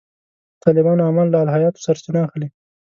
د طالبانو اعمال له الهیاتو سرچینه اخلي.